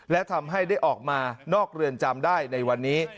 และทำให้ได้ออกมานอกเรือนจำได้ในวันนี้